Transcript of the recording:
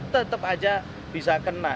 tetap aja bisa kena